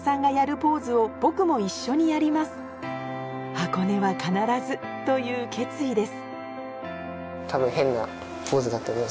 「箱根は必ず」という決意です